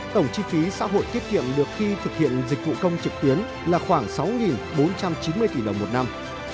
tổng chi phí xã hội tiết kiệm được khi thực hiện dịch vụ công trực tuyến là khoảng sáu bốn trăm chín mươi tỷ đồng một năm